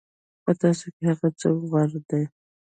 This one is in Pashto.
په تاسو کې هغه څوک غوره دی.